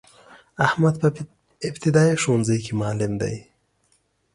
احمد په ابتدایه ښونځی کی معلم دی.